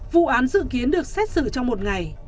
vụ án dự kiến được xét xử trong một ngày